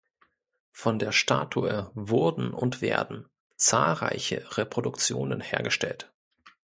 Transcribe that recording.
Von der Statue wurden und werden zahlreiche Reproduktionen hergestellt.